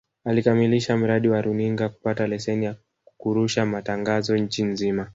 Alikamilisha mradi wa runinga kupata leseni ya kurusha matangazo nchi nzima